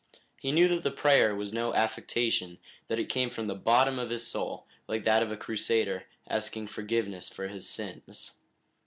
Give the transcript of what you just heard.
He knew that the prayer was no affectation, that it came from the bottom of his soul, like that of a crusader, asking forgiveness for his sins.